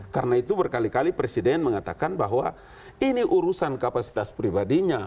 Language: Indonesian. karena itu berkali kali presiden mengatakan bahwa ini urusan kapasitas pribadinya